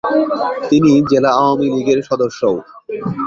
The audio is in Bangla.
তিনি জেলা আওয়ামী লীগের সদস্যও।